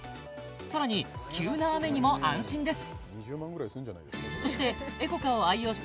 さらに急な雨にも安心です